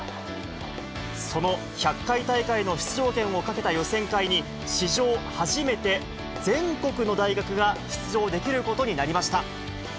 その１００回大会の出場権をかけた予選会に、史上初めて、全国の大学が出場できることになりました。